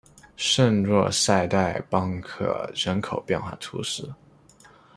圣若塞代邦克人口变化图示